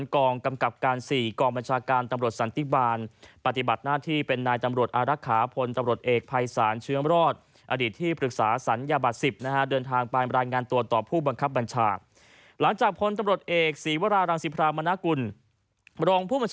ก็มีคำสั่งให้สับสนข้อเท็จจริงนะครับ